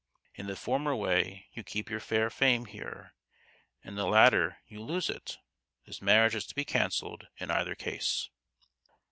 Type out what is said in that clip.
In the former way you keep your fair fame here ; in the latter you lose it. This marriage has to be cancelled in either case."